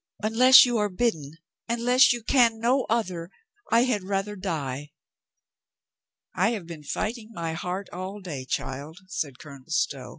"Unless you are bidden, unless you can no other, I had rather die." "I have been fighting my heart all day, child," said Colonel Stow.